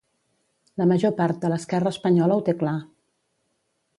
La major part de l'esquerra espanyola ho té clar